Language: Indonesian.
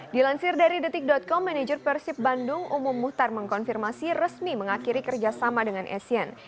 dilansir dari detik com manajer persib bandung umum muhtar mengkonfirmasi resmi mengakhiri kerjasama dengan essien